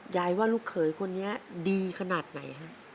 ยายว่าลูกเขยคนนี้ดีขนาดไหนฮะ